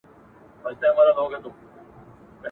چي د سیمي اوسېدونکي ..